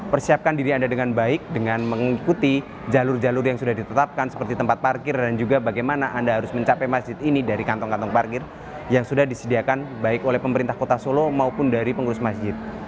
persiapkan diri anda dengan baik dengan mengikuti jalur jalur yang sudah ditetapkan seperti tempat parkir dan juga bagaimana anda harus mencapai masjid ini dari kantong kantong parkir yang sudah disediakan baik oleh pemerintah kota solo maupun dari pengurus masjid